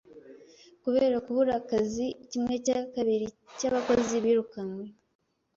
Kubera kubura akazi, kimwe cya kabiri cyabakozi birukanwe.